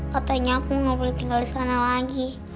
katanya aku gak boleh tinggal disana lagi